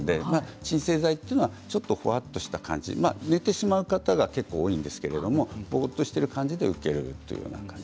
鎮静剤はちょっとほわっとした感じ、寝てしまう方が結構多いんですけどぼーっとしている感じで受けられるという感じ